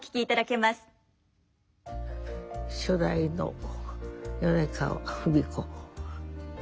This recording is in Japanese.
初代の米川文子